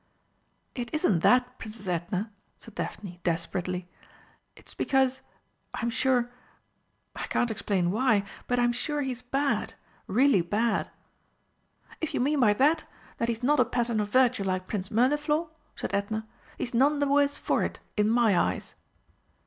"It isn't that, Princess Edna," said Daphne desperately. "It's because I'm sure I can't explain why, but I am sure he's bad really bad!" "If you mean by that that he is not a pattern of virtue like Prince Mirliflor," said Edna, "he is none the worse for it, in my eyes!"